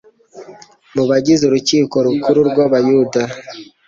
mu bagize Urukiko Rukuru rw’Abayuda,